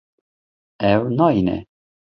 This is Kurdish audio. Ew nayîne.